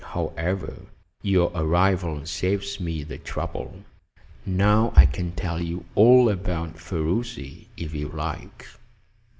However, your arrival saves me the trouble. Now I can tell you all about Ferruci, if you like."